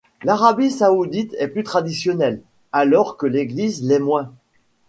L'Arabie Saoudite est plus traditionnelle, alors que l’Égypte l'est moins.